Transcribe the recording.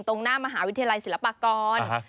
ตรงหน้ามหาวิทยาลัยศิลปากร